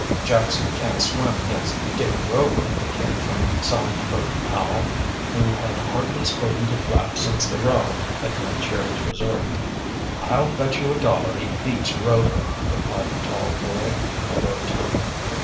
"Jackson can't swim against Dick Rover," came from Songbird Powell, who had hardly spoken to Flapp since the row at Mike Sherry's resort. "I'll bet you a dollar he beats Rover," replied the tall boy, in a low tone.